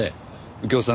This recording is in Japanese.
右京さん